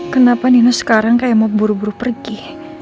kenapa nino sekarang kayak mau buru buru pergi